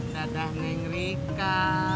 dadah neng rika